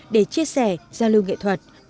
để chia sẻ giao lưu nghệ thuật